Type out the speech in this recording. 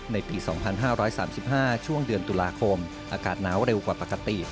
ในปี๒๕๓๕ช่วงเดือนตุลาคมอากาศหนาวเร็วกว่าปกติ